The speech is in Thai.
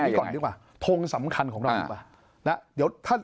เอาอย่างนี้ก่อนดีกว่าทงสำคัญของเราก่อน